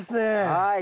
はい！